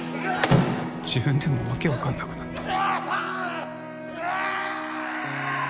自分でも訳分かんなくなった。